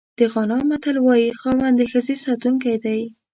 د غانا متل وایي خاوند د ښځې ساتونکی دی.